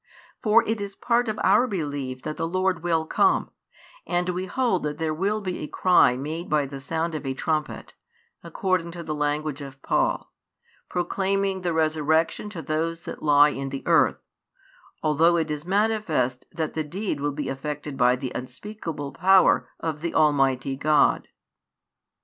For it is part of our belief that the Lord will come, and we hold that there will be a cry made by the sound of a trumpet, according to the language of Paul, proclaiming the resurrection to those that lie in the earth, although it is manifest that the deed will be effected by the unspeakable power of the Almighty God.